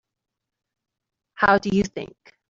How do you think?